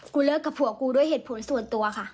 เลิกกับผัวกูด้วยเหตุผลส่วนตัวค่ะ